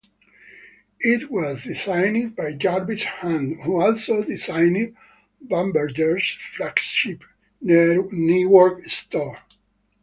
It was designed by Jarvis Hunt who also designed Bamberger's flagship Newark store.